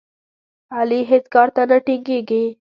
علي هېڅ کار ته نه ټینګېږي.